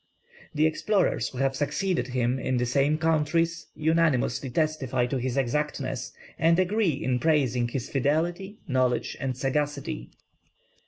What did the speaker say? The explorers who have succeeded him in the same countries unanimously testify to his exactness, and agree in praising his fidelity, knowledge, and sagacity.